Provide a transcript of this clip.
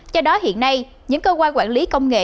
do đó hiện nay những cơ quan quản lý công nghệ